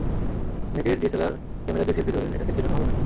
অনেকেই DSLR camera দিয়ে selfie তোলেন, এটা সেলফির জন্য ভালো নয়।